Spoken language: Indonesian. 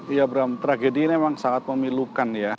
iya bram tragedi ini memang sangat memilukan ya